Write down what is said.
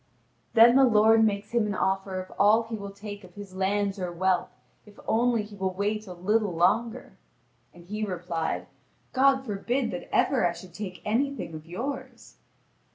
Then the lord makes him an offer of all he will take of his lands or wealth, if only he will wait a little longer. And he replied: "God forbid that ever I should take anything of yours!"